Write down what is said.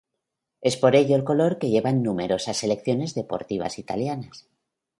Es por ello el color que llevan numerosas selecciones deportivas italianas.